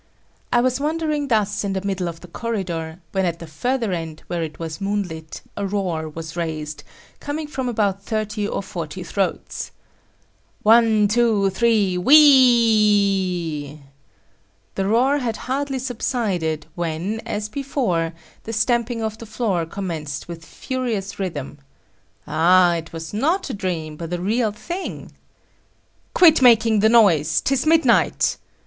I was wondering thus in the middle of the corridor, when at the further end where it was moonlit, a roar was raised, coming from about thirty or forty throats, "One, two, three,—Whee ee!" The roar had hardly subsided, when, as before, the stamping of the floor commenced with furious rhythm. Ah, it was not a dream, but a real thing! "Quit making the noise! 'Tis midnight!"